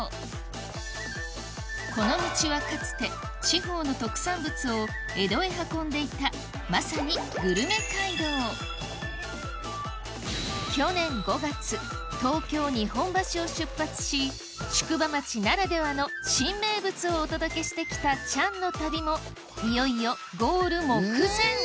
この道はかつて地方の特産物を江戸へ運んでいたまさに去年５月東京・日本橋を出発し宿場町ならではの新名物をお届けしてきたチャンの旅もいよいよゴール目前